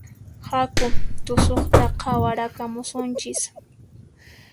Haku tusuqta qhawarakamusunchis